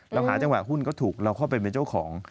เราหาจังหวะหุ้นก็ถูกเราเข้าไปเป็นเจ้าของ